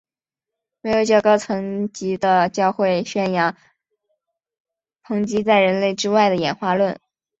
没有较高层级的教会宣言抨击在人类之外的演化论。